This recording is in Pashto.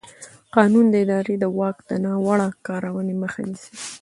قانون د ادارې د واک د ناوړه کارونې مخه نیسي.